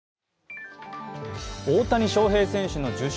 大谷翔平選手の受賞